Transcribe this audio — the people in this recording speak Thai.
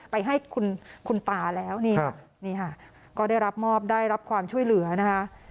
ไปให้คุณตาแล้วนี่ค่ะนี่ค่ะก็ได้รับมอบได้รับความช่วยเหลือนะคะ